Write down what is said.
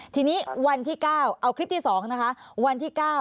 ทีนี้วันที่๙เอาคลิปที่๒นะคะวันที่๙